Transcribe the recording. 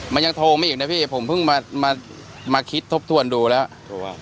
มันยังโทรมาอีกนะพี่ผมเพิ่งมาคิดทบทวนดูแล้ว